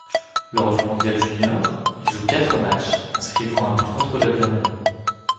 Lors du mondial junior, il joue quatre matchs, inscrivant un but contre la Birmanie.